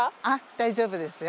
大丈夫ですよ。